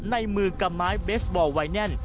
ในมือกับไม้เบสบอลไว้แน่น